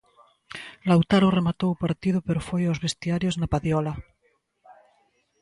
Lautaro rematou o partido pero foi aos vestiarios na padiola.